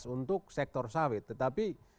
untuk sektor sawit tetapi